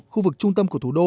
khu vực trung tâm của thủ đô